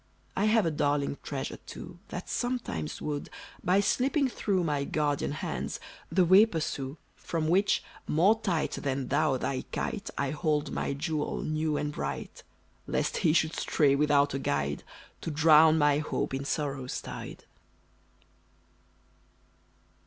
"I have a darling treasure, too, That sometimes would, by slipping through My guardian hands, the way pursue, From which, more tight than thou thy kite, I hold my jewel, new and bright, Lest he should stray without a guide, To drown my hopes in sorrow's tide!"